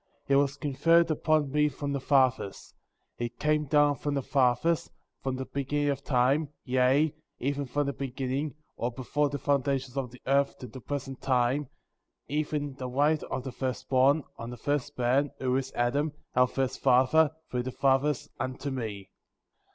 ^ 3. It was conferred upon me from the fathers; it came down from the fathers,^ from the beginning of time, yea, even from the beginning, or before the foundations of the earth to the present time, even the right of the first born, on the first man,^' who is Adam,'^ our first father, through the fathers, unto me.